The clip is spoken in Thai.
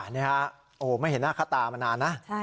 อันนี้ครับไม่เห็นหน้าข้าตามานานนะ